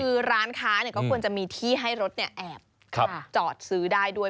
คือร้านค้าก็ควรจะมีที่ให้รถแอบจอดซื้อได้ด้วย